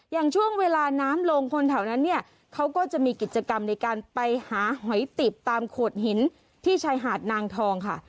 อย่างช่วงเวลาน้ำลงคนแถวนั้นเนี่ยเขาก็จะมีกิจกรรมในการไปหาหอยติบตามโขดหินที่ชายหาดนางทองค่ะ